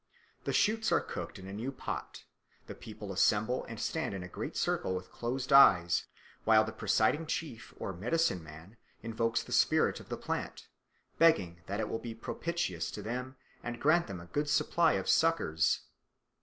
The shoots are cooked in a new pot: the people assemble and stand in a great circle with closed eyes, while the presiding chief or medicine man invokes the spirit of the plant, begging that it will be propitious to them and grant them a good supply of suckers.